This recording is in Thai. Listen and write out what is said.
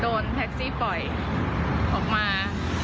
โดนแท็กซี่ปล่อยออกมา